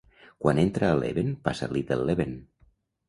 Quan entra a Leven passa Little Leven.